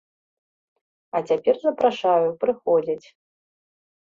А цяпер запрашаю, прыходзяць.